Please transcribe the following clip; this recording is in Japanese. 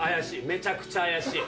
めちゃくちゃ怪しい。